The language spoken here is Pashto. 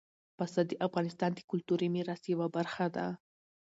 پسه د افغانستان د کلتوري میراث یوه برخه ده.